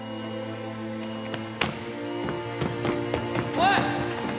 おい！